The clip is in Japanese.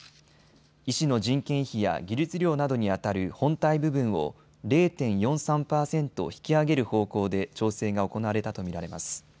医師の人件費や技術料などにあたる本体部分を０．４３％引き上げる方向で調整が行われたと見られます。